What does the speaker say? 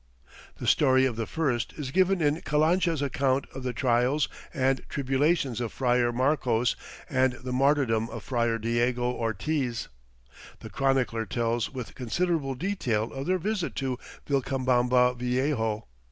The story of the first is given in Calancha's account of the trials and tribulations of Friar Marcos and the martyrdom of Friar Diego Ortiz. The chronicler tells with considerable detail of their visit to "Vilcabamba Viejo."